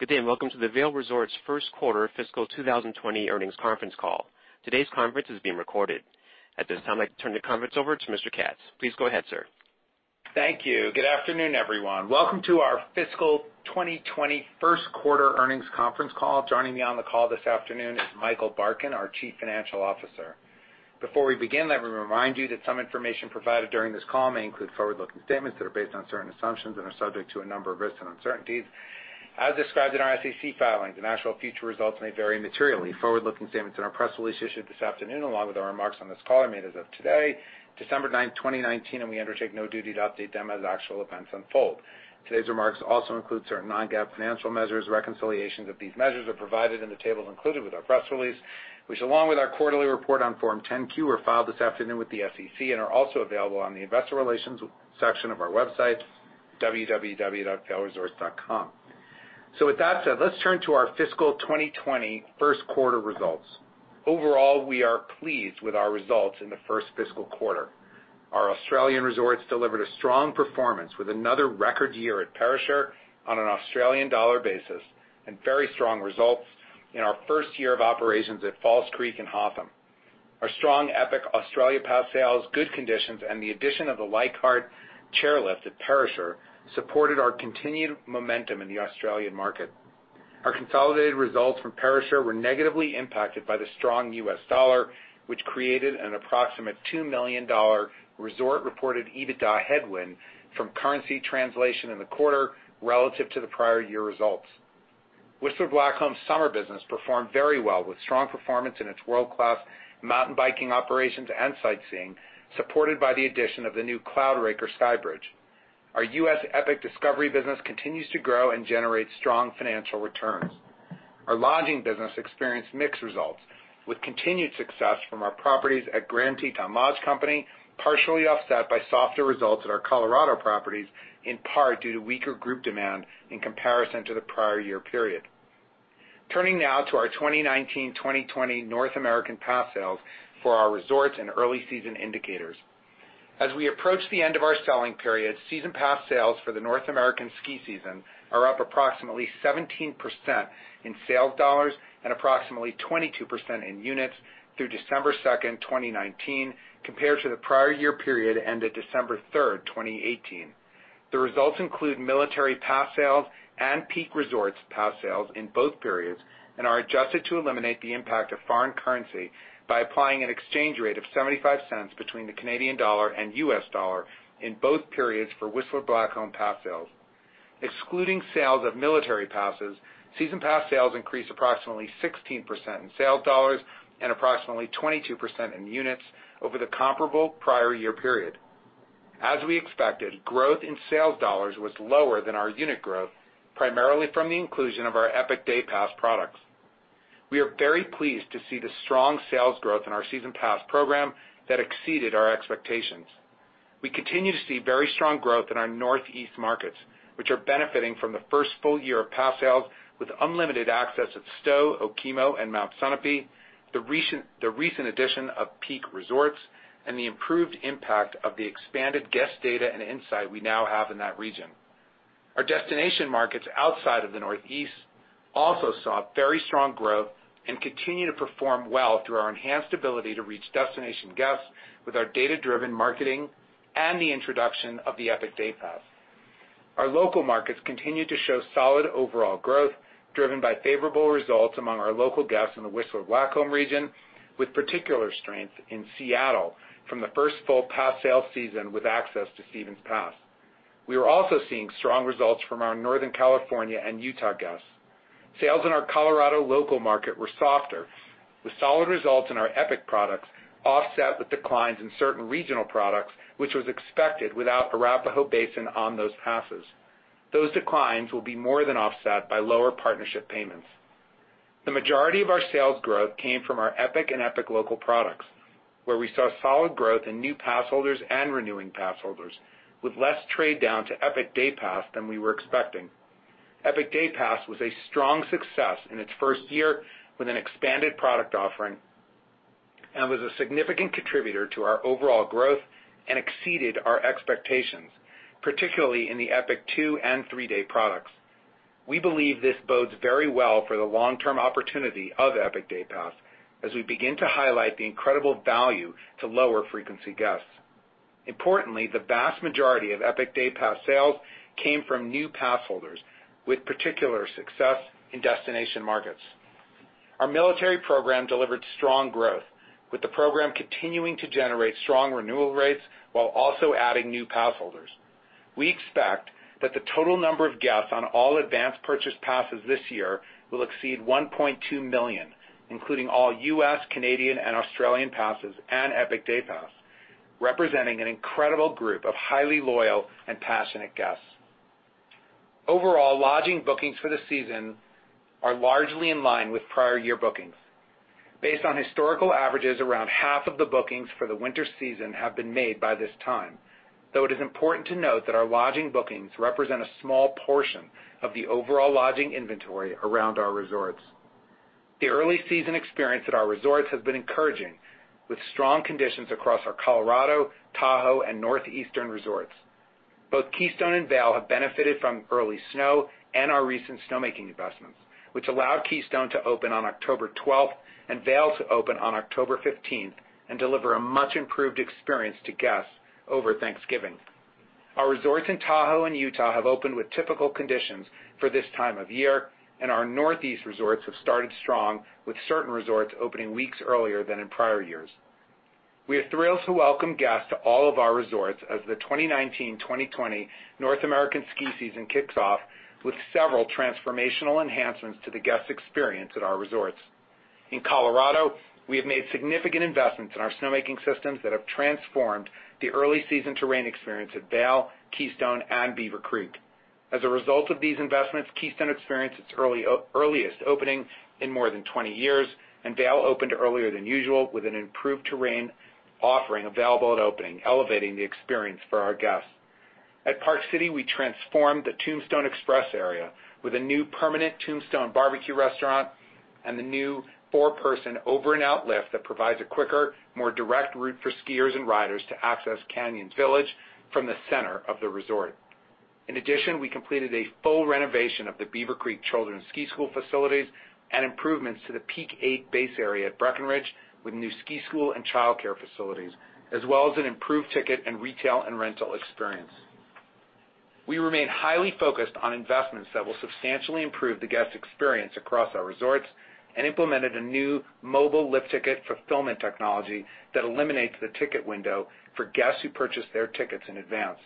Good day, and welcome to the Vail Resorts First Quarter Fiscal 2020 earnings conference call. Today's conference is being recorded. At this time, I'd like to turn the conference over to Mr. Katz. Please go ahead, sir. Thank you. Good afternoon, everyone. Welcome to our Fiscal 2020 First Quarter Earnings Conference Call. Joining me on the call this afternoon is Michael Barkin, our Chief Financial Officer. Before we begin, let me remind you that some information provided during this call may include forward-looking statements that are based on certain assumptions and are subject to a number of risks and uncertainties. As described in our SEC filings, the actual future results may vary materially. Forward-looking statements in our press release issued this afternoon, along with our remarks on this call, are made as of today, December 9, 2019, and we undertake no duty to update them as actual events unfold. Today's remarks also include certain non-GAAP financial measures. Reconciliations of these measures are provided in the tables included with our press release, which, along with our quarterly report on Form 10-Q, are filed this afternoon with the SEC and are also available on the Investor Relations section of our website, www.vailresorts.com. With that said, let's turn to our Fiscal 2020 First Quarter results. Overall, we are pleased with our results in the first fiscal quarter. Our Australian resorts delivered a strong performance with another record year at Perisher on an Australian dollar basis and very strong results in our first year of operations at Falls Creek and Hotham. Our strong Epic Australia Pass sales, good conditions, and the addition of the Leichhardt chairlift at Perisher supported our continued momentum in the Australian market. Our consolidated results from Perisher were negatively impacted by the strong US dollar, which created an approximate $2 million resort-reported EBITDA headwind from currency translation in the quarter relative to the prior year results. Whistler Blackcomb's summer business performed very well with strong performance in its world-class mountain biking operations and sightseeing, supported by the addition of the new Cloudraker Skybridge. Our U.S. Epic Discovery business continues to grow and generate strong financial returns. Our lodging business experienced mixed results with continued success from our properties at Grand Teton Lodge Company, partially offset by softer results at our Colorado properties in part due to weaker group demand in comparison to the prior year period. Turning now to our 2019-2020 North American Pass sales for our resorts and early season indicators. As we approach the end of our selling period, season pass sales for the North American ski season are up approximately 17% in sales dollars and approximately 22% in units through December 2, 2019, compared to the prior year period ended December 3, 2018. The results include military pass sales and Peak Resorts pass sales in both periods and are adjusted to eliminate the impact of foreign currency by applying an exchange rate of 75 cents between the Canadian dollar and US dollar in both periods for Whistler Blackcomb pass sales. Excluding sales of military passes, season pass sales increased approximately 16% in sales dollars and approximately 22% in units over the comparable prior year period. As we expected, growth in sales dollars was lower than our unit growth, primarily from the inclusion of our Epic Day Pass products. We are very pleased to see the strong sales growth in our season pass program that exceeded our expectations. We continue to see very strong growth in our Northeast markets, which are benefiting from the first full year of pass sales with unlimited access at Stowe, Okemo, and Mount Sunapee, the recent addition of Peak Resorts, and the improved impact of the expanded guest data and insight we now have in that region. Our destination markets outside of the Northeast also saw very strong growth and continue to perform well through our enhanced ability to reach destination guests with our data-driven marketing and the introduction of the Epic Day Pass. Our local markets continue to show solid overall growth driven by favorable results among our local guests in the Whistler Blackcomb region, with particular strength in Seattle from the first full pass sale season with access to Stevens Pass. We were also seeing strong results from our Northern California and Utah guests. Sales in our Colorado local market were softer, with solid results in our Epic Products offset with declines in certain regional products, which was expected without Arapahoe Basin on those passes. Those declines will be more than offset by lower partnership payments. The majority of our sales growth came from our Epic and Epic Local products, where we saw solid growth in new pass holders and renewing pass holders, with less trade down to Epic Day Pass than we were expecting. Epic Day Pass was a strong success in its first year with an expanded product offering and was a significant contributor to our overall growth and exceeded our expectations, particularly in the Epic 2-Day and 3-Day products. We believe this bodes very well for the long-term opportunity of Epic Day Pass as we begin to highlight the incredible value to lower frequency guests. Importantly, the vast majority of Epic Day Pass sales came from new pass holders, with particular success in destination markets. Our military program delivered strong growth, with the program continuing to generate strong renewal rates while also adding new pass holders. We expect that the total number of guests on all advance purchase passes this year will exceed 1.2 million, including all U.S., Canadian, and Australian passes and Epic Day Pass, representing an incredible group of highly loyal and passionate guests. Overall, lodging bookings for the season are largely in line with prior year bookings. Based on historical averages, around half of the bookings for the winter season have been made by this time, though it is important to note that our lodging bookings represent a small portion of the overall lodging inventory around our resorts. The early season experience at our resorts has been encouraging, with strong conditions across our Colorado, Tahoe, and Northeastern resorts. Both Keystone and Vail have benefited from early snow and our recent snowmaking investments, which allowed Keystone to open on October 12 and Vail to open on October 15 and deliver a much-improved experience to guests over Thanksgiving. Our resorts in Tahoe and Utah have opened with typical conditions for this time of year, and our Northeast resorts have started strong, with certain resorts opening weeks earlier than in prior years. We are thrilled to welcome guests to all of our resorts as the 2019-2020 North American Ski Season kicks off, with several transformational enhancements to the guest experience at our resorts. In Colorado, we have made significant investments in our snowmaking systems that have transformed the early season terrain experience at Vail, Keystone, and Beaver Creek. As a result of these investments, Keystone experienced its earliest opening in more than 20 years, and Vail opened earlier than usual with an improved terrain offering available at opening, elevating the experience for our guests. At Park City, we transformed the Tombstone Express area with a new permanent Tombstone Barbecue restaurant and the new four-person Over-and-Out Lift that provides a quicker, more direct route for skiers and riders to access Canyons Village from the center of the resort. In addition, we completed a full renovation of the Beaver Creek Children's Ski School facilities and improvements to the Peak 8 Base Area at Breckenridge with new ski school and childcare facilities, as well as an improved ticket and retail and rental experience. We remain highly focused on investments that will substantially improve the guest experience across our resorts and implemented a new mobile lift ticket fulfillment technology that eliminates the ticket window for guests who purchase their tickets in advance.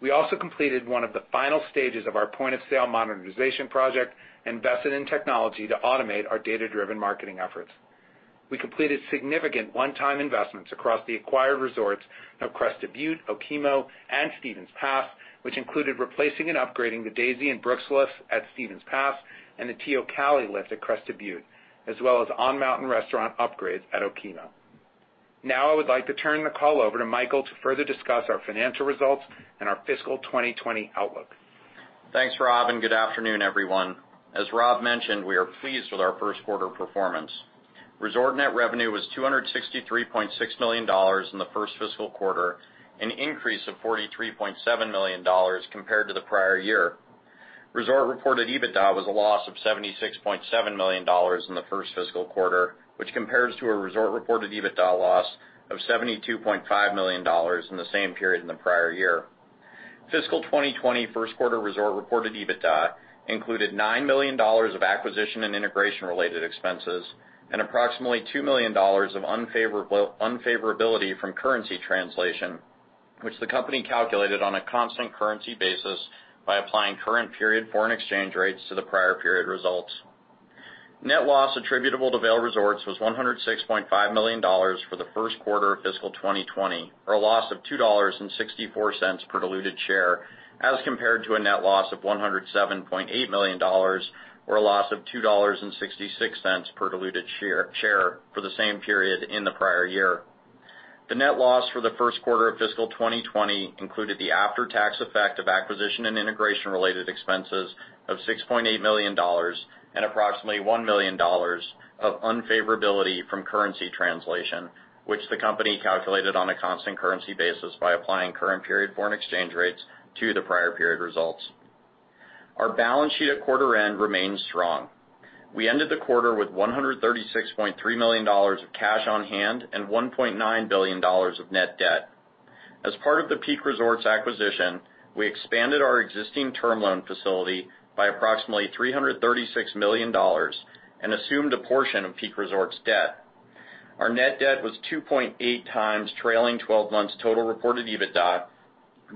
We also completed one of the final stages of our point-of-sale modernization project and invested in technology to automate our data-driven marketing efforts. We completed significant one-time investments across the acquired resorts of Crested Butte, Okemo, and Stevens Pass, which included replacing and upgrading the Daisy and Brooks lifts at Stevens Pass and the Teocalli lift at Crested Butte, as well as on-mountain restaurant upgrades at Okemo. Now, I would like to turn the call over to Michael to further discuss our financial results and our Fiscal 2020 outlook. Thanks, Rob, and good afternoon, everyone. As Rob mentioned, we are pleased with our first quarter performance. Resort net revenue was $263.6 million in the first fiscal quarter, an increase of $43.7 million compared to the prior year. Resort Reported EBITDA was a loss of $76.7 million in the first fiscal quarter, which compares to a Resort Reported EBITDA loss of $72.5 million in the same period in the prior year. Fiscal 2020 first quarter Resort Reported EBITDA included $9 million of acquisition and integration-related expenses and approximately $2 million of unfavorability from currency translation, which the company calculated on a constant currency basis by applying current period foreign exchange rates to the prior period results. Net loss attributable to Vail Resorts was $106.5 million for the first quarter of fiscal 2020, or a loss of $2.64 per diluted share, as compared to a net loss of $107.8 million, or a loss of $2.66 per diluted share for the same period in the prior year. The net loss for the first quarter of fiscal 2020 included the after-tax effect of acquisition and integration-related expenses of $6.8 million and approximately $1 million of unfavorability from currency translation, which the company calculated on a constant currency basis by applying current period foreign exchange rates to the prior period results. Our balance sheet at quarter end remained strong. We ended the quarter with $136.3 million of cash on hand and $1.9 billion of net debt. As part of the Peak Resorts acquisition, we expanded our existing term loan facility by approximately $336 million and assumed a portion of Peak Resorts' debt. Our net debt was 2.8 times trailing 12 months Total Reported EBITDA,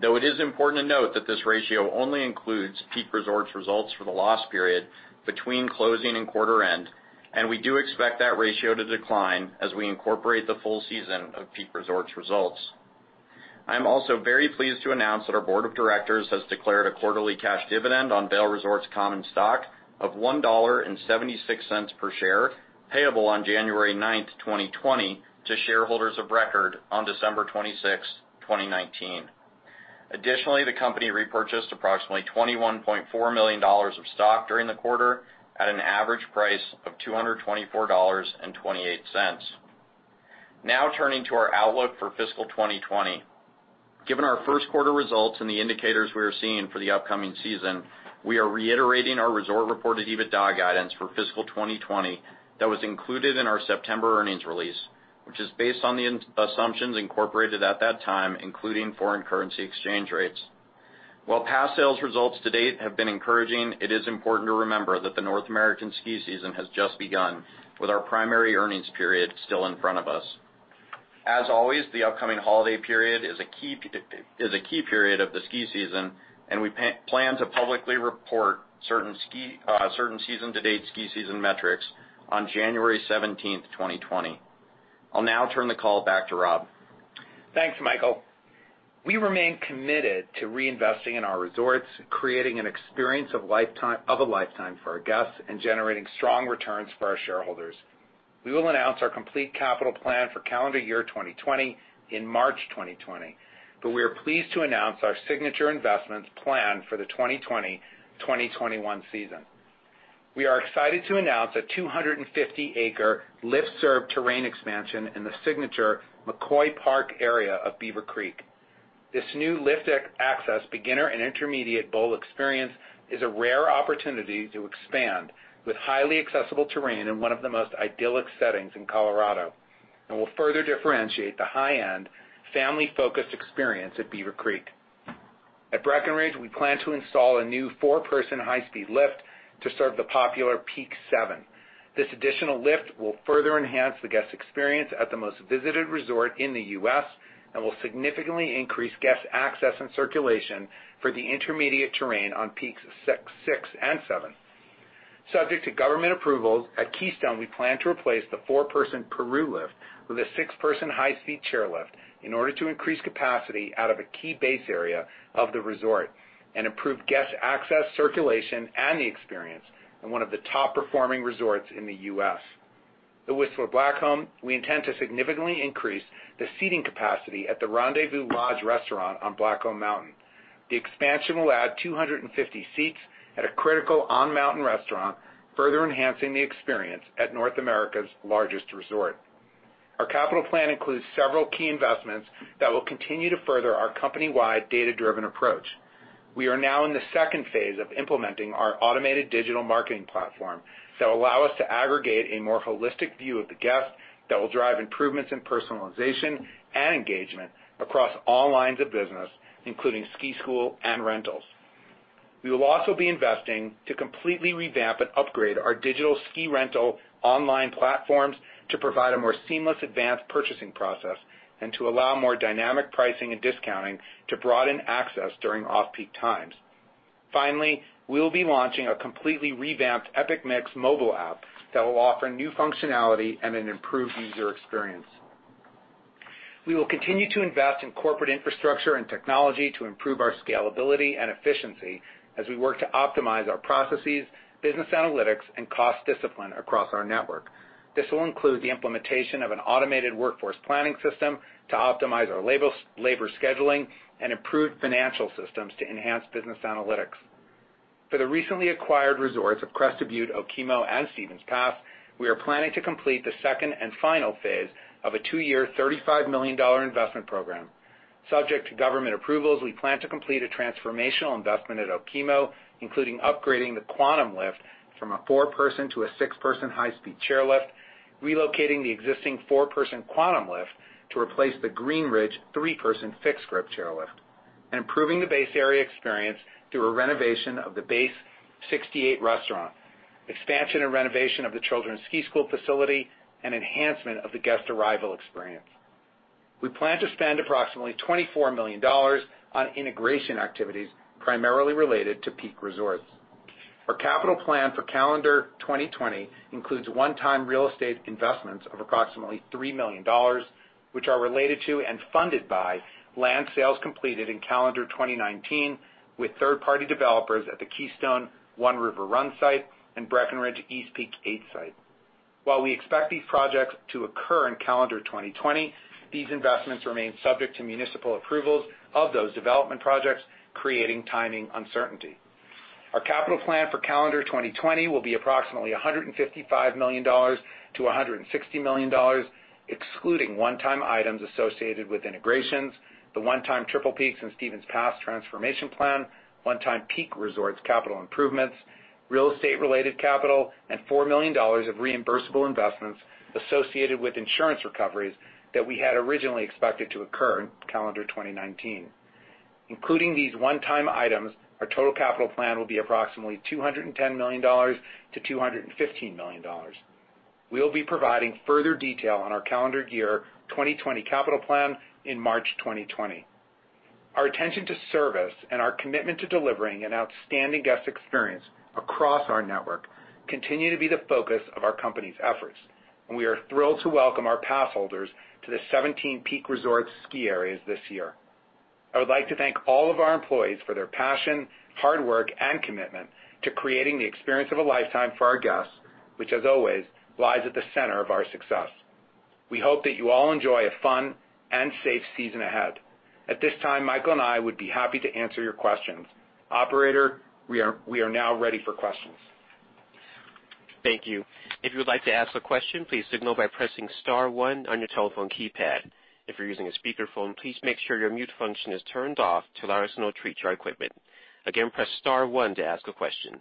though it is important to note that this ratio only includes Peak Resorts results for the loss period between closing and quarter end, and we do expect that ratio to decline as we incorporate the full season of Peak Resorts results. I am also very pleased to announce that our Board of Directors has declared a quarterly cash dividend on Vail Resorts common stock of $1.76 per share, payable on January 9, 2020, to shareholders of record on December 26, 2019. Additionally, the company repurchased approximately $21.4 million of stock during the quarter at an average price of $224.28. Now, turning to our outlook for Fiscal 2020. Given our first quarter results and the indicators we are seeing for the upcoming season, we are reiterating our Resort Reported EBITDA guidance for fiscal 2020 that was included in our September earnings release, which is based on the assumptions incorporated at that time, including foreign currency exchange rates. While pass sales results to date have been encouraging, it is important to remember that the North American ski season has just begun, with our primary earnings period still in front of us. As always, the upcoming holiday period is a key period of the ski season, and we plan to publicly report certain season-to-date ski season metrics on January 17, 2020. I'll now turn the call back to Rob. Thanks, Michael. We remain committed to reinvesting in our resorts, creating an experience of a lifetime for our guests, and generating strong returns for our shareholders. We will announce our complete capital plan for calendar year 2020 in March 2020, but we are pleased to announce our signature investments planned for the 2020-2021 season. We are excited to announce a 250-acre lift-serve terrain expansion in the signature McCoy Park area of Beaver Creek. This new lift access beginner and intermediate bowl experience is a rare opportunity to expand with highly accessible terrain in one of the most idyllic settings in Colorado, and will further differentiate the high-end family-focused experience at Beaver Creek. At Breckenridge, we plan to install a new four-person high-speed lift to serve the popular Peak 7. This additional lift will further enhance the guest experience at the most visited resort in the U.S. and will significantly increase guest access and circulation for the intermediate terrain on Peaks 6 and 7. Subject to government approval, at Keystone, we plan to replace the four-person Peru lift with a six-person high-speed chairlift in order to increase capacity out of a key base area of the resort and improve guest access, circulation, and the experience in one of the top-performing resorts in the U.S. At Whistler Blackcomb, we intend to significantly increase the seating capacity at the Rendezvous Lodge restaurant on Blackcomb Mountain. The expansion will add 250 seats at a critical on-mountain restaurant, further enhancing the experience at North America's largest resort. Our capital plan includes several key investments that will continue to further our company-wide data-driven approach. We are now in the second phase of implementing our automated digital marketing platform that will allow us to aggregate a more holistic view of the guests that will drive improvements in personalization and engagement across all lines of business, including ski school and rentals. We will also be investing to completely revamp and upgrade our digital ski rental online platforms to provide a more seamless advanced purchasing process and to allow more dynamic pricing and discounting to broaden access during off-peak times. Finally, we will be launching a completely revamped EpicMix mobile app that will offer new functionality and an improved user experience. We will continue to invest in corporate infrastructure and technology to improve our scalability and efficiency as we work to optimize our processes, business analytics, and cost discipline across our network. This will include the implementation of an automated workforce planning system to optimize our labor scheduling and improved financial systems to enhance business analytics. For the recently acquired resorts of Crested Butte, Okemo, and Stevens Pass, we are planning to complete the second and final phase of a two-year, $35 million investment program. Subject to government approvals, we plan to complete a transformational investment at Okemo, including upgrading the Quantum Lift from a four-person to a six-person high-speed chairlift, relocating the existing four-person Quantum Lift to replace the Green Ridge three-person fixed grip chairlift, and improving the base area experience through a renovation of the Base 68 restaurant, expansion and renovation of the children's ski school facility, and enhancement of the guest arrival experience. We plan to spend approximately $24 million on integration activities primarily related to Peak Resorts. Our capital plan for calendar 2020 includes one-time real estate investments of approximately $3 million, which are related to and funded by land sales completed in calendar 2019 with third-party developers at the Keystone River Run site and Breckenridge Peak 8 site. While we expect these projects to occur in calendar 2020, these investments remain subject to municipal approvals of those development projects, creating timing uncertainty. Our capital plan for calendar 2020 will be approximately $155 million-$160 million, excluding one-time items associated with integrations, the one-time Triple Peaks and Stevens Pass transformation plan, one-time Peak Resorts capital improvements, real estate-related capital, and $4 million of reimbursable investments associated with insurance recoveries that we had originally expected to occur in calendar 2019. Including these one-time items, our total capital plan will be approximately $210 million-$215 million. We will be providing further detail on our calendar year 2020 capital plan in March 2020. Our attention to service and our commitment to delivering an outstanding guest experience across our network continue to be the focus of our company's efforts, and we are thrilled to welcome our pass holders to the 17 Peak Resorts ski areas this year. I would like to thank all of our employees for their passion, hard work, and commitment to creating the experience of a lifetime for our guests, which, as always, lies at the center of our success. We hope that you all enjoy a fun and safe season ahead. At this time, Michael and I would be happy to answer your questions. Operator, we are now ready for questions. Thank you. If you would like to ask a question, please signal by pressing Star 1 on your telephone keypad. If you're using a speakerphone, please make sure your mute function is turned off to allow us to hear your equipment. Again, press Star 1 to ask a question.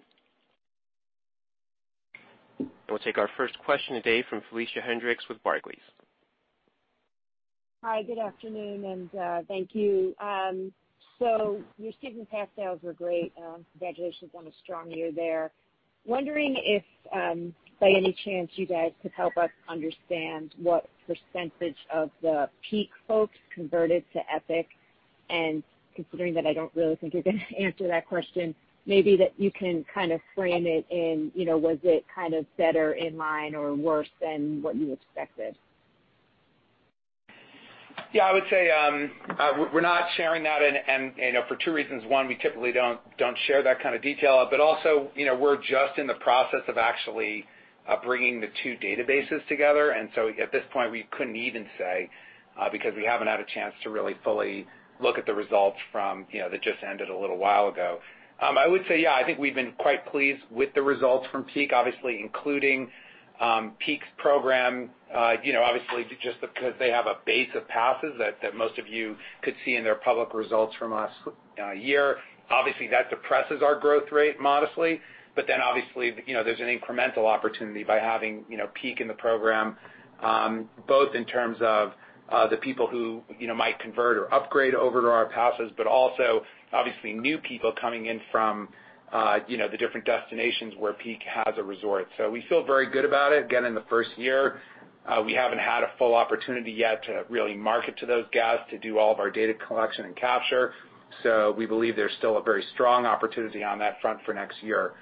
We'll take our first question today from Felicia Hendrix with Barclays. Hi, good afternoon, and thank you. So your Stevens Pass sales were great. Congratulations on a strong year there. Wondering if, by any chance, you guys could help us understand what percentage of the Peak folks converted to Epic, and considering that I don't really think you're going to answer that question, maybe that you can kind of frame it in, was it kind of better in line or worse than what you expected? Yeah, I would say we're not sharing that for two reasons. One, we typically don't share that kind of detail, but also we're just in the process of actually bringing the two databases together, and so at this point, we couldn't even say because we haven't had a chance to really fully look at the results from that just ended a little while ago. I would say, yeah, I think we've been quite pleased with the results from Peak, obviously including Peak's program, obviously just because they have a base of passes that most of you could see in their public results from last year. Obviously, that depresses our growth rate modestly, but then obviously there's an incremental opportunity by having Peak in the program, both in terms of the people who might convert or upgrade over to our passes, but also obviously new people coming in from the different destinations where Peak has a resort. So we feel very good about it. Again, in the first year, we haven't had a full opportunity yet to really market to those guests to do all of our data collection and capture, so we believe there's still a very strong opportunity on that front for next year.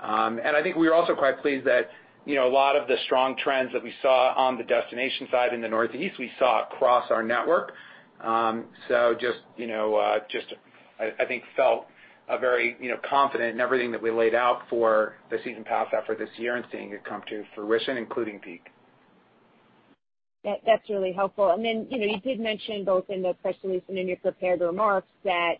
And I think we're also quite pleased that a lot of the strong trends that we saw on the destination side in the Northeast, we saw across our network. So, just, I think, felt very confident in everything that we laid out for the season pass after this year and seeing it come to fruition, including Peak. That's really helpful. And then you did mention both in the press release and in your prepared remarks that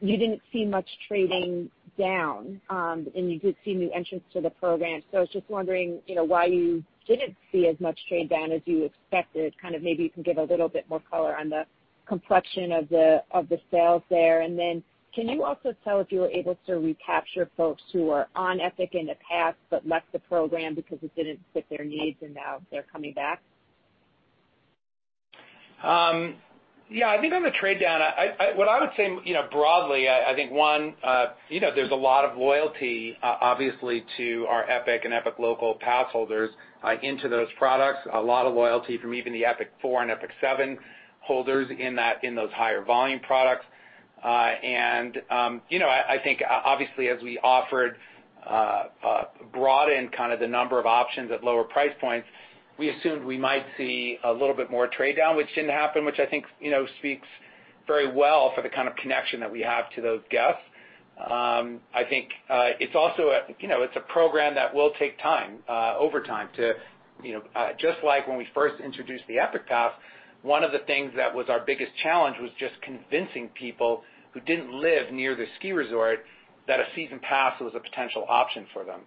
you didn't see much trading down, and you did see new entrants to the program. So I was just wondering why you didn't see as much trade down as you expected? Kind of maybe you can give a little bit more color on the complexion of the sales there? And then can you also tell if you were able to recapture folks who were on Epic in the past but left the program because it didn't fit their needs and now they're coming back? Yeah, I think on the trade down, what I would say broadly, I think one, there's a lot of loyalty, obviously, to our Epic and Epic Local pass holders into those products, a lot of loyalty from even the Epic 4 and Epic 7 holders in those higher volume products. I think, obviously, as we offered broad in kind of the number of options at lower price points, we assumed we might see a little bit more trade down, which didn't happen, which I think speaks very well for the kind of connection that we have to those guests. I think it's also a program that will take time, over time. Just like when we first introduced the Epic Pass, one of the things that was our biggest challenge was just convincing people who didn't live near the ski resort that a season pass was a potential option for them.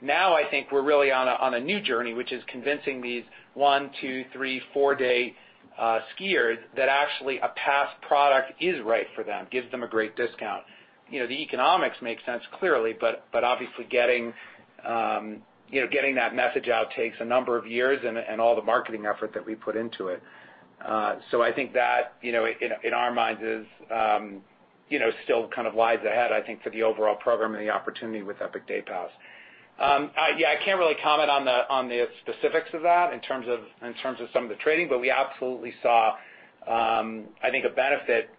Now, I think we're really on a new journey, which is convincing these one, two, three, four-day skiers that actually a pass product is right for them, gives them a great discount. The economics make sense clearly, but obviously getting that message out takes a number of years and all the marketing effort that we put into it. So I think that in our minds is still kind of lies ahead, I think, for the overall program and the opportunity with Epic Day Pass. Yeah, I can't really comment on the specifics of that in terms of some of the trading, but we absolutely saw, I think, a benefit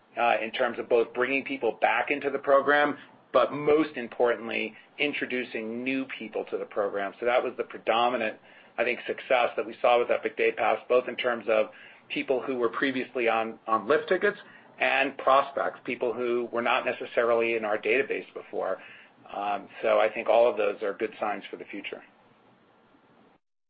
in terms of both bringing people back into the program, but most importantly, introducing new people to the program. So that was the predominant, I think, success that we saw with Epic Day Pass, both in terms of people who were previously on lift tickets and prospects, people who were not necessarily in our database before. So I think all of those are good signs for the future.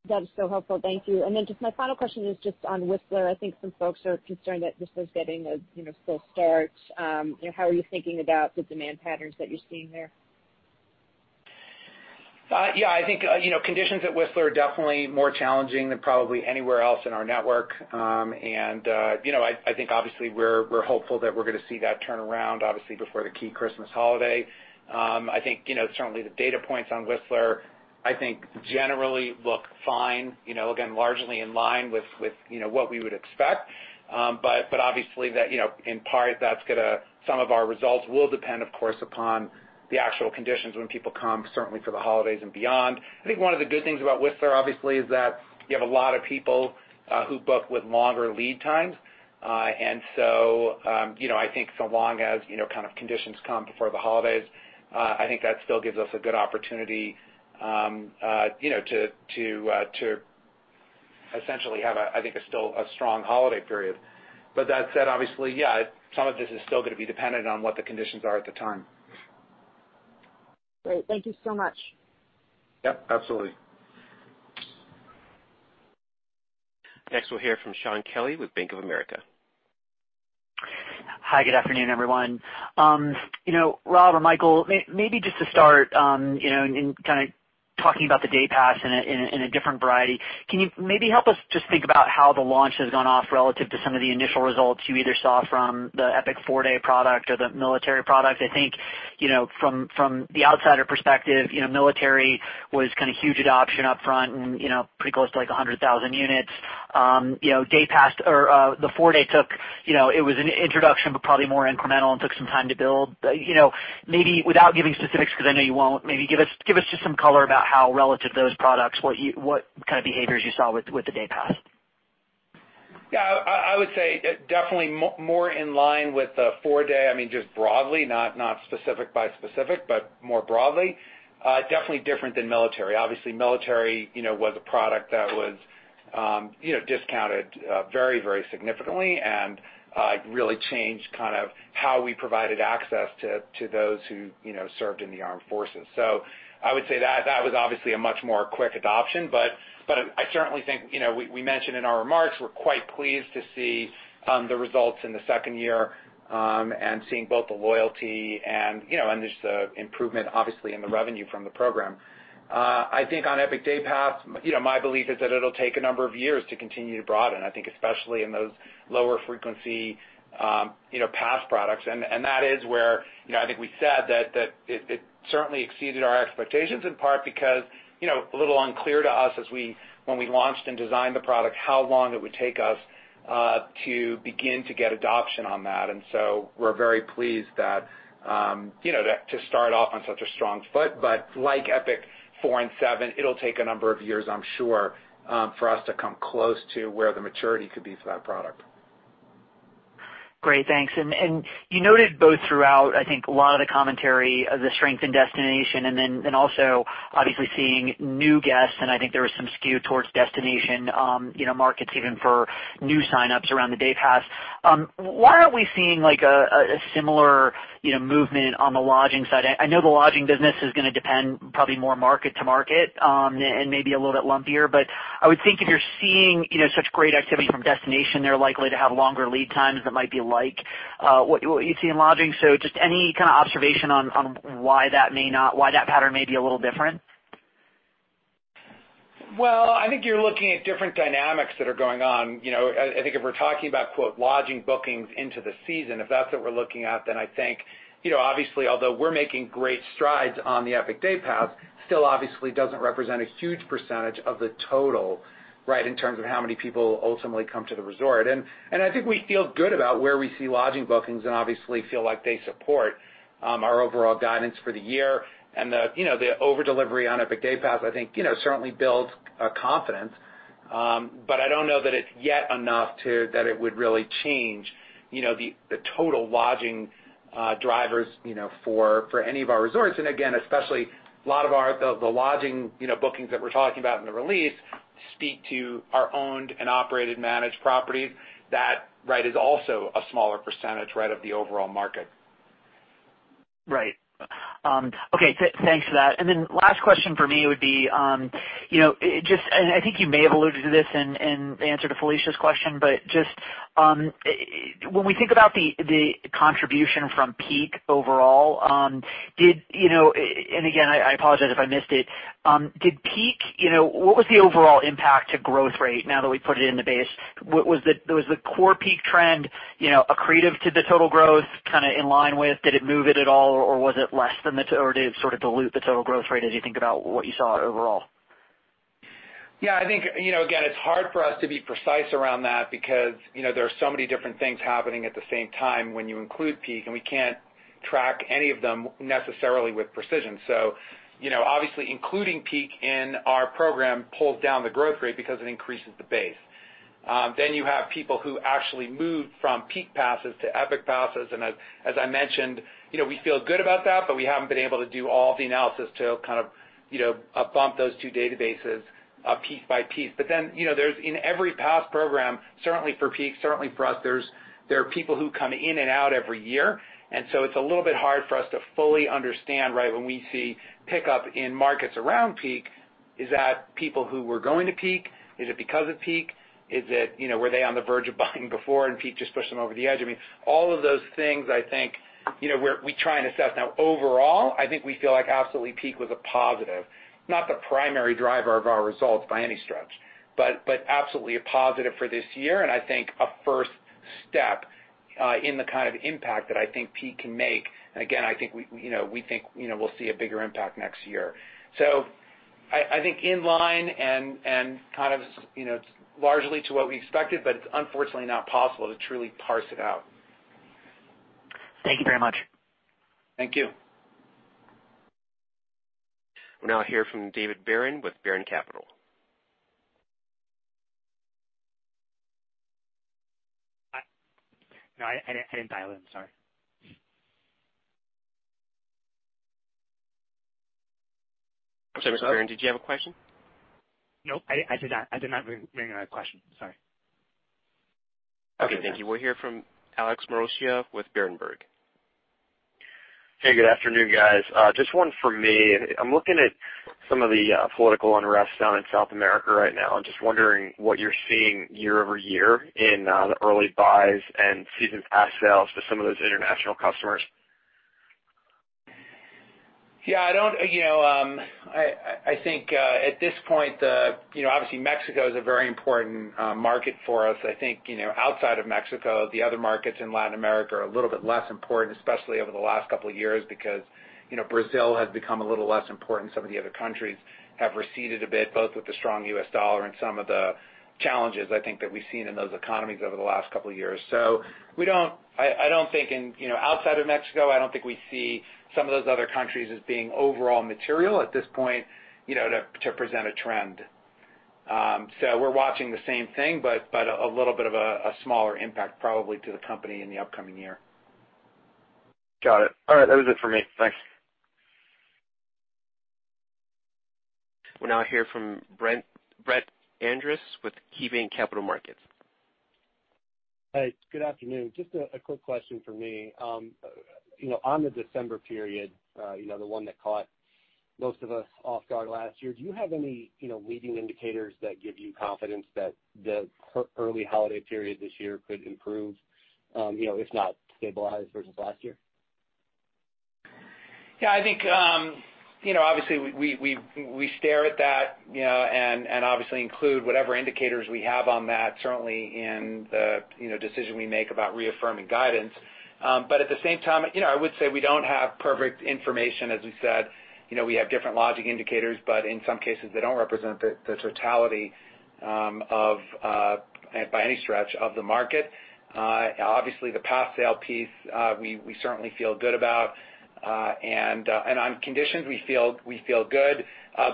That is so helpful. Thank you. And then just my final question is just on Whistler. I think some folks are concerned that this is getting a slow start. How are you thinking about the demand patterns that you're seeing there? Yeah, I think conditions at Whistler are definitely more challenging than probably anywhere else in our network. And I think, obviously, we're hopeful that we're going to see that turn around, obviously, before the key Christmas holiday. I think certainly the data points on Whistler, I think, generally look fine, again, largely in line with what we would expect. But obviously, in part, some of our results will depend, of course, upon the actual conditions when people come, certainly for the holidays and beyond. I think one of the good things about Whistler, obviously, is that you have a lot of people who book with longer lead times. And so I think so long as kind of conditions come before the holidays, I think that still gives us a good opportunity to essentially have, I think, still a strong holiday period. But that said, obviously, yeah, some of this is still going to be dependent on what the conditions are at the time. Great. Thank you so much. Yep, absolutely. Next, we'll hear from Shaun Kelley with Bank of America. Hi, good afternoon, everyone. Rob or Michael, maybe just to start in kind of talking about the day pass in a different variety, can you maybe help us just think about how the launch has gone off relative to some of the initial results you either saw from the Epic four-day product or the military product? I think from the outsider perspective, military was kind of huge adoption upfront and pretty close to like 100,000 units. Day pass or the four-day took, it was an introduction, but probably more incremental and took some time to build. Maybe without giving specifics, because I know you won't, maybe give us just some color about how relative those products, what kind of behaviors you saw with the day pass. Yeah, I would say definitely more in line with the four-day, I mean, just broadly, not specific by specific, but more broadly. Definitely different than military. Obviously, military was a product that was discounted very, very significantly and really changed kind of how we provided access to those who served in the armed forces. So I would say that was obviously a much more quick adoption, but I certainly think we mentioned in our remarks, we're quite pleased to see the results in the second year and seeing both the loyalty and just the improvement, obviously, in the revenue from the program. I think on Epic Day Pass, my belief is that it'll take a number of years to continue to broaden, I think, especially in those lower frequency pass products. And that is where I think we said that it certainly exceeded our expectations in part because a little unclear to us when we launched and designed the product how long it would take us to begin to get adoption on that. And so we're very pleased to start off on such a strong foot, but like Epic 4 and 7, it'll take a number of years, I'm sure, for us to come close to where the maturity could be for that product. Great, thanks. And you noted both throughout, I think, a lot of the commentary of the strength in destination and then also obviously seeing new guests, and I think there was some skew towards destination markets even for new signups around the day pass. Why aren't we seeing a similar movement on the lodging side? I know the lodging business is going to depend probably more market to market and maybe a little bit lumpier, but I would think if you're seeing such great activity from destination, they're likely to have longer lead times that might be like what you'd see in lodging. So just any kind of observation on why that pattern may be a little different? I think you're looking at different dynamics that are going on. I think if we're talking about, quote, lodging bookings into the season, if that's what we're looking at, then I think, obviously, although we're making great strides on the Epic Day Pass, still obviously doesn't represent a huge percentage of the total, right, in terms of how many people ultimately come to the resort. I think we feel good about where we see lodging bookings and obviously feel like they support our overall guidance for the year. The overdelivery on Epic Day Pass, I think, certainly builds confidence, but I don't know that it's yet enough that it would really change the total lodging drivers for any of our resorts. Again, especially a lot of the lodging bookings that we're talking about in the release speak to our owned and operated managed properties. That, right, is also a smaller percentage, right, of the overall market. Right. Okay, thanks for that. And then last question for me would be just, and I think you may have alluded to this and answered Felicia's question, but just when we think about the contribution from Peak overall, and again, I apologize if I missed it, did Peak, what was the overall impact to growth rate now that we put it in the base? Was the core Peak trend accretive to the total growth kind of in line with, did it move it at all, or was it less than the, or did it sort of dilute the total growth rate as you think about what you saw overall? Yeah, I think, again, it's hard for us to be precise around that because there are so many different things happening at the same time when you include Peak, and we can't track any of them necessarily with precision. So obviously, including Peak in our program pulls down the growth rate because it increases the base. Then you have people who actually moved from Peak passes to Epic passes. And as I mentioned, we feel good about that, but we haven't been able to do all the analysis to kind of bump those two databases piece by piece. But then in every pass program, certainly for Peak, certainly for us, there are people who come in and out every year. And so it's a little bit hard for us to fully understand, right, when we see pickup in markets around Peak, is that people who were going to Peak? Is it because of Peak? Were they on the verge of buying before and Peak just pushed them over the edge? I mean, all of those things, I think, we try and assess. Now, overall, I think we feel like absolutely Peak was a positive, not the primary driver of our results by any stretch, but absolutely a positive for this year. And I think a first step in the kind of impact that I think Peak can make. And again, I think we think we'll see a bigger impact next year. So I think in line and kind of largely to what we expected, but it's unfortunately not possible to truly parse it out. Thank you very much. Thank you. We'll now hear from David Baron with Baron Capital. No, I didn't dial in. Sorry. I'm sorry, Mr. Baron, did you have a question? Nope, I did not ring a question. Sorry. Okay, thank you. We'll hear from Alex Maroccia with Berenberg. Hey, good afternoon, guys. Just one for me. I'm looking at some of the political unrest down in South America right now and just wondering what you're seeing year-over-year in the early buys and season pass sales for some of those international customers? Yeah, I think at this point, obviously, Mexico is a very important market for us. I think outside of Mexico, the other markets in Latin America are a little bit less important, especially over the last couple of years because Brazil has become a little less important. Some of the other countries have receded a bit, both with the strong US dollar and some of the challenges I think that we've seen in those economies over the last couple of years. So I don't think outside of Mexico, I don't think we see some of those other countries as being overall material at this point to present a trend. So we're watching the same thing, but a little bit of a smaller impact probably to the company in the upcoming year. Got it. All right, that was it for me. Thanks. We'll now hear from Brett Andress with KeyBanc Capital Markets. Hi, good afternoon. Just a quick question for me. On the December period, the one that caught most of us off guard last year, do you have any leading indicators that give you confidence that the early holiday period this year could improve, if not stabilize versus last year? Yeah, I think obviously we're staring at that and obviously include whatever indicators we have on that, certainly in the decision we make about reaffirming guidance. But at the same time, I would say we don't have perfect information. As we said, we have different leading indicators, but in some cases, they don't represent the totality by any stretch of the imagination. Obviously, the pass sales piece, we certainly feel good about. And on conditions, we feel good,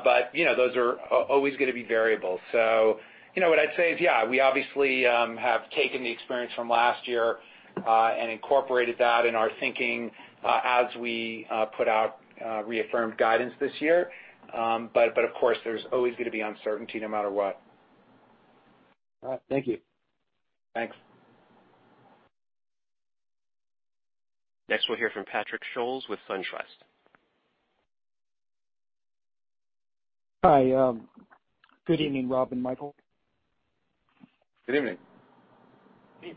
but those are always going to be variables. So what I'd say is, yeah, we obviously have taken the experience from last year and incorporated that in our thinking as we put out reaffirmed guidance this year. But of course, there's always going to be uncertainty no matter what. All right, thank you. Thanks. Next, we'll hear from Patrick Scholes with SunTrust. Hi, good evening, Rob and Michael. Good evening. Good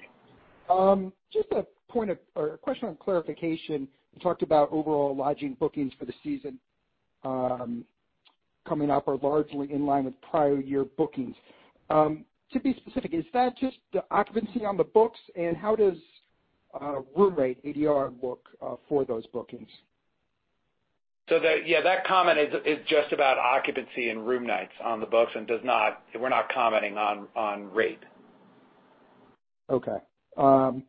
evening. Just a point or a question on clarification. You talked about overall lodging bookings for the season coming up are largely in line with prior year bookings. To be specific, is that just the occupancy on the books? And how does room rate, ADR, work for those bookings? So yeah, that comment is just about occupancy and room nights on the books and we're not commenting on rate. Okay. Okay,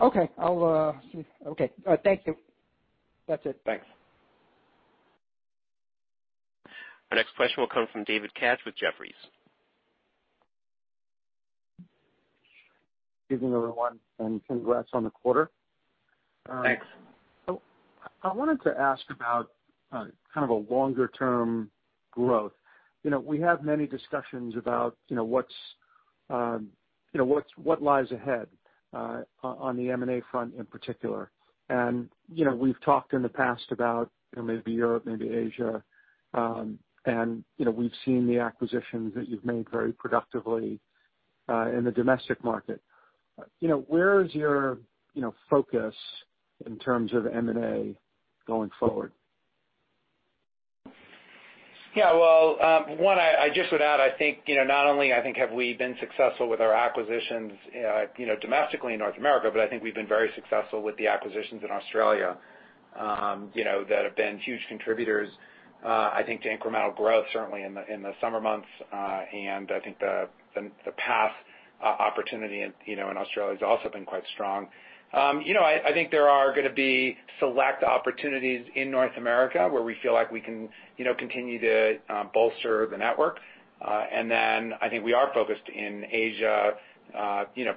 I'll see. Okay, thank you. That's it. Thanks. Our next question will come from David Katz with Jefferies. Good evening, everyone, and congrats on the quarter. Thanks. I wanted to ask about kind of a longer-term growth. We have many discussions about what lies ahead on the M&A front in particular. And we've talked in the past about maybe Europe, maybe Asia, and we've seen the acquisitions that you've made very productively in the domestic market. Where is your focus in terms of M&A going forward? Yeah, well, one, I just would add. I think not only have we been successful with our acquisitions domestically in North America, but I think we've been very successful with the acquisitions in Australia that have been huge contributors. I think incremental growth, certainly in the summer months, and I think the pass opportunity in Australia has also been quite strong. I think there are going to be select opportunities in North America where we feel like we can continue to bolster the network, and then I think we are focused in Asia,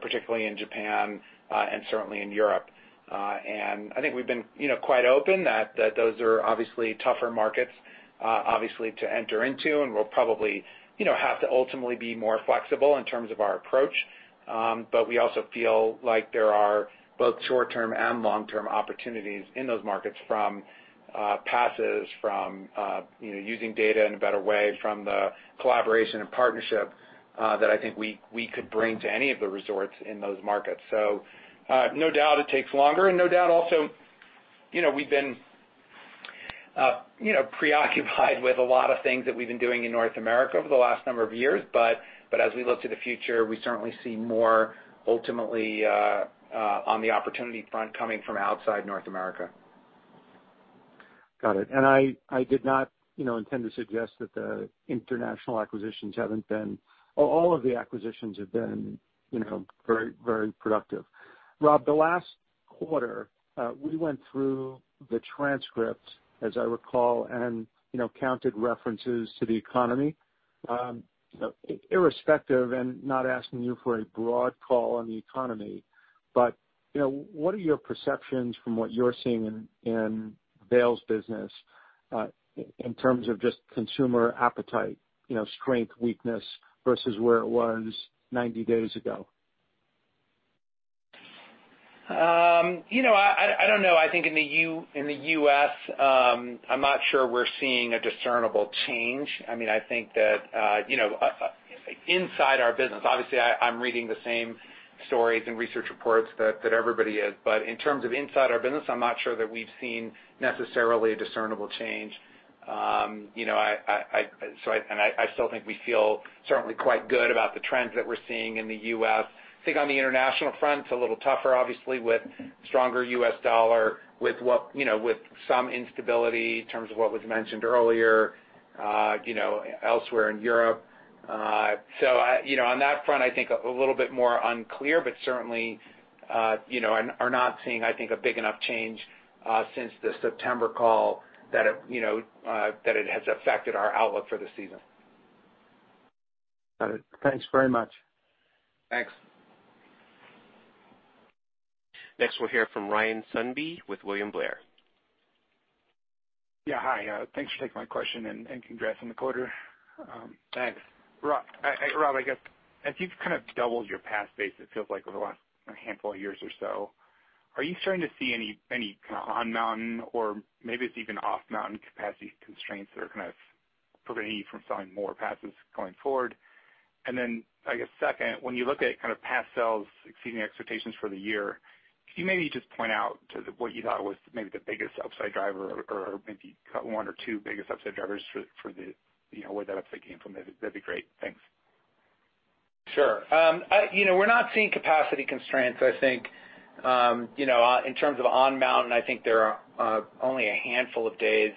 particularly in Japan and certainly in Europe, and I think we've been quite open that those are obviously tougher markets, obviously, to enter into, and we'll probably have to ultimately be more flexible in terms of our approach. But we also feel like there are both short-term and long-term opportunities in those markets from passes, from using data in a better way, from the collaboration and partnership that I think we could bring to any of the resorts in those markets. So no doubt it takes longer, and no doubt also we've been preoccupied with a lot of things that we've been doing in North America over the last number of years. But as we look to the future, we certainly see more ultimately on the opportunity front coming from outside North America. Got it. And I did not intend to suggest that the international acquisitions haven't been. All of the acquisitions have been very, very productive. Rob, the last quarter, we went through the transcript, as I recall, and counted references to the economy. Irrespective, and not asking you for a broad call on the economy, but what are your perceptions from what you're seeing in Vail's business in terms of just consumer appetite, strength, weakness versus where it was 90 days ago? I don't know. I think in the U.S., I'm not sure we're seeing a discernible change. I mean, I think that inside our business, obviously, I'm reading the same stories and research reports that everybody is. But in terms of inside our business, I'm not sure that we've seen necessarily a discernible change. And I still think we feel certainly quite good about the trends that we're seeing in the U.S. I think on the international front, it's a little tougher, obviously, with stronger US dollar, with some instability in terms of what was mentioned earlier elsewhere in Europe. So on that front, I think a little bit more unclear, but certainly are not seeing, I think, a big enough change since the September call that it has affected our outlook for the season. Got it. Thanks very much. Thanks. Next, we'll hear from Ryan Sundby with William Blair. Yeah, hi. Thanks for taking my question and congrats on the quarter. Thanks. Rob, I guess, as you've kind of doubled your pass base, it feels like over the last handful of years or so, are you starting to see any kind of on-mountain or maybe it's even off-mountain capacity constraints that are kind of preventing you from selling more passes going forward? And then I guess second, when you look at kind of pass sales exceeding expectations for the year, could you maybe just point out what you thought was maybe the biggest upside driver or maybe one or two biggest upside drivers for where that upside came from? That'd be great. Thanks. Sure. We're not seeing capacity constraints. I think in terms of on-mountain, I think there are only a handful of days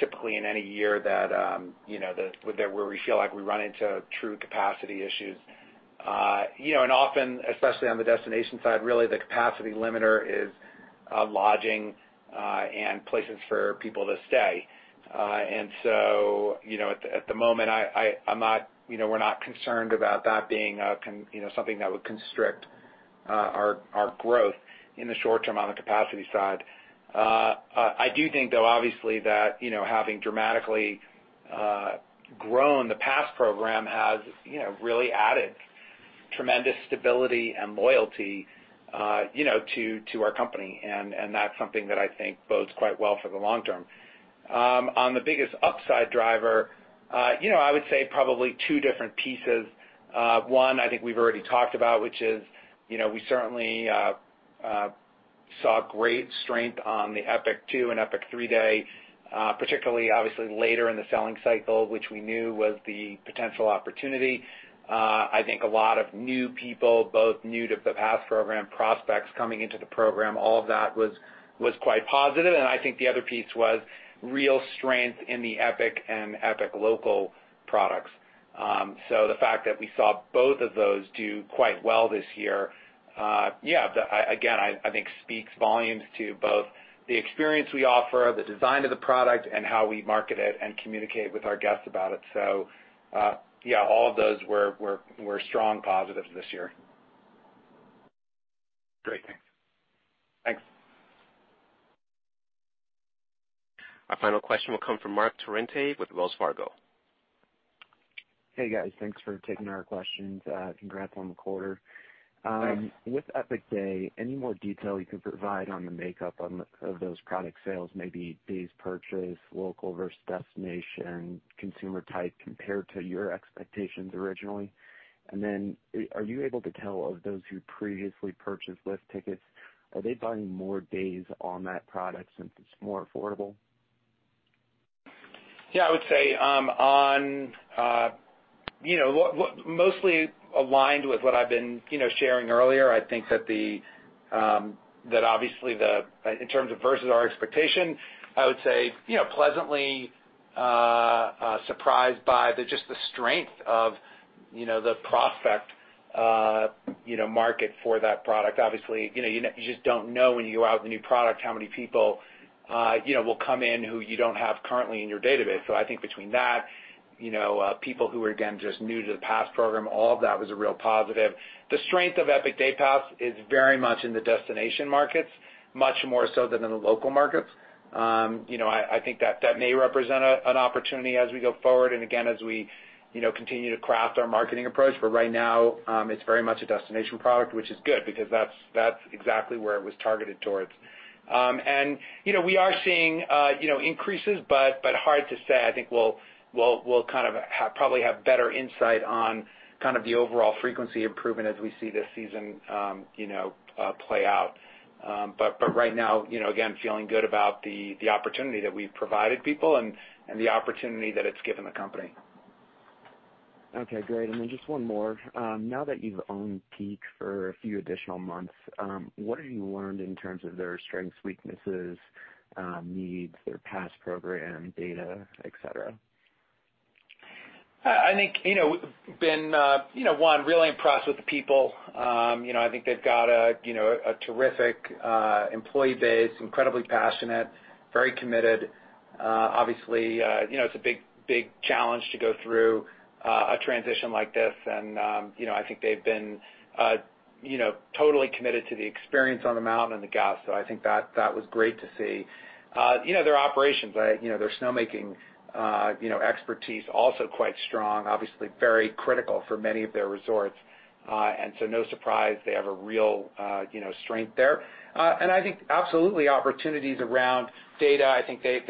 typically in any year that where we feel like we run into true capacity issues. And often, especially on the destination side, really the capacity limiter is lodging and places for people to stay. And so at the moment, we're not concerned about that being something that would constrict our growth in the short term on the capacity side. I do think, though, obviously, that having dramatically grown, the pass program has really added tremendous stability and loyalty to our company. And that's something that I think bodes quite well for the long term. On the biggest upside driver, I would say probably two different pieces. One, I think we've already talked about, which is we certainly saw great strength on the Epic 2 and Epic 3 day, particularly obviously later in the selling cycle, which we knew was the potential opportunity. I think a lot of new people, both new to the pass program, prospects coming into the program, all of that was quite positive. And I think the other piece was real strength in the Epic and Epic local products. So the fact that we saw both of those do quite well this year, yeah, again, I think speaks volumes to both the experience we offer, the design of the product, and how we market it and communicate with our guests about it. So yeah, all of those were strong positives this year. Great. Thanks. Thanks. Our final question will come from Mark Strawn with Wells Fargo. Hey, guys. Thanks for taking our questions. Congrats on the quarter. With Epic Day, any more detail you could provide on the makeup of those product sales, maybe days purchase, local versus destination, consumer type compared to your expectations originally? And then are you able to tell of those who previously purchased lift tickets, are they buying more days on that product since it's more affordable? Yeah, I would say mostly aligned with what I've been sharing earlier. I think that obviously in terms of versus our expectation, I would say pleasantly surprised by just the strength of the prospect market for that product. Obviously, you just don't know when you go out with a new product how many people will come in who you don't have currently in your database. So I think between that, people who are again just new to the pass program, all of that was a real positive. The strength of Epic Day Pass is very much in the destination markets, much more so than in the local markets. I think that may represent an opportunity as we go forward and again as we continue to craft our marketing approach. But right now, it's very much a destination product, which is good because that's exactly where it was targeted towards. And we are seeing increases, but hard to say. I think we'll kind of probably have better insight on kind of the overall frequency improvement as we see this season play out. But right now, again, feeling good about the opportunity that we've provided people and the opportunity that it's given the company. Okay, great. And then just one more. Now that you've owned Peak for a few additional months, what have you learned in terms of their strengths, weaknesses, needs, their pass program, data, etc.? I think we've been really impressed with the people. I think they've got a terrific employee base, incredibly passionate, very committed. Obviously, it's a big challenge to go through a transition like this. And I think they've been totally committed to the experience on the mountain and the guests. So I think that was great to see. Their operations, their snowmaking expertise also quite strong, obviously very critical for many of their resorts. And so no surprise they have a real strength there. And I think absolutely opportunities around data. I think they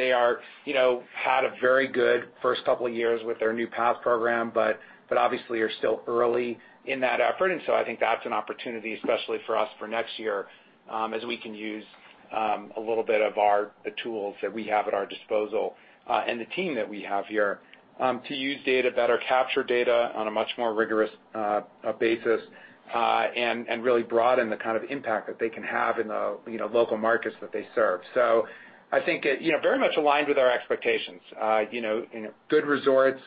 had a very good first couple of years with their new pass program, but obviously are still early in that effort. And so I think that's an opportunity, especially for us for next year, as we can use a little bit of the tools that we have at our disposal and the team that we have here to use data, better capture data on a much more rigorous basis, and really broaden the kind of impact that they can have in the local markets that they serve. So I think very much aligned with our expectations. Good resorts,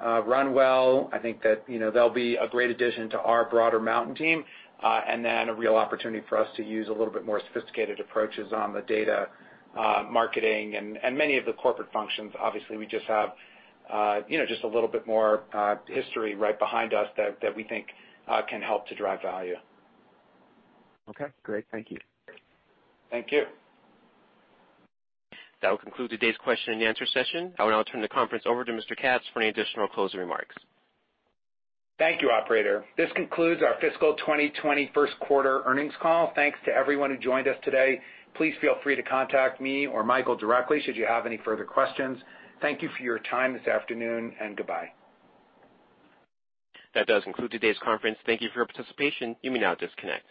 run well. I think that they'll be a great addition to our broader mountain team. And then a real opportunity for us to use a little bit more sophisticated approaches on the data marketing and many of the corporate functions. Obviously, we have just a little bit more history right behind us that we think can help to drive value. Okay, great. Thank you. Thank you. That will conclude today's question-and-answer session. I will now turn the conference over to Mr. Katz for any additional closing remarks. Thank you, operator. This concludes our Fiscal 2020 first quarter earnings call. Thanks to everyone who joined us today. Please feel free to contact me or Michael directly should you have any further questions. Thank you for your time this afternoon and goodbye. That does conclude today's conference. Thank you for your participation. You may now disconnect.